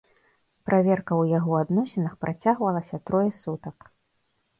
Праверка ў яго адносінах працягвалася трое сутак.